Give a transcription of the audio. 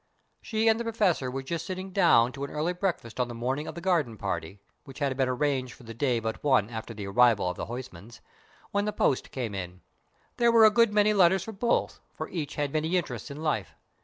She and the Professor were just sitting down to an early breakfast on the morning of the garden party, which had been arranged for the day but one after the arrival of the Huysmans, when the post came in. There were a good many letters for both, for each had many interests in life.